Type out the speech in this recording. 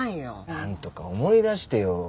なんとか思い出してよ。